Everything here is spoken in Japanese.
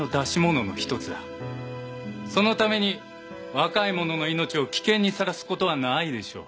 そのために若い者の命を危険にさらすことはないでしょう。